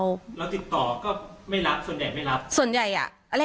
แล้วติดต่อก็ไม่รับส่วนใหญ่ไม่รับ